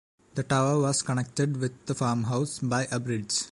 The tower was connected with the farmhouse by a bridge.